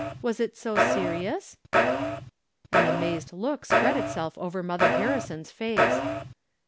Was it so serious ?" An amazed look spread itself over Mother Har rison's face.